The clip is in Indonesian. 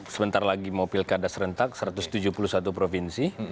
sebentar lagi mau pilkada serentak satu ratus tujuh puluh satu provinsi